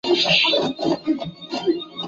毕业于中央党校政治经济学专业。